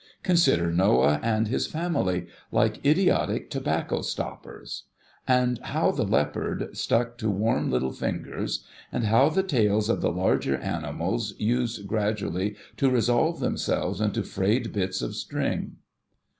Con sider Noah and his family, like idiotic tobacco stoppers ; and how the leopard stuck to warm little fingers ; and how the tails of the larger animals used gradually to resolve themselves into frayed bits of string